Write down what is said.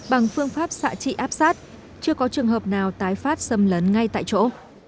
bằng phương pháp xạ trị áp sát chưa có trường hợp nào tái phát xâm lấn ngay tại chỗ